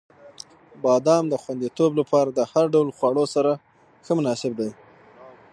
• بادام د خوندیتوب لپاره د هر ډول خواړو سره ښه مناسب دی.